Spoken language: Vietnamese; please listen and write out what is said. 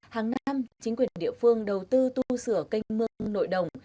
hàng năm chính quyền địa phương đầu tư tu sửa cây mương nội đồng